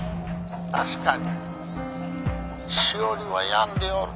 確かに詩織は病んでおる。